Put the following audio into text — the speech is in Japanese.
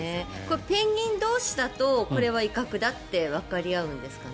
ペンギン同士だとこれは威嚇だってわかり合うんですかね？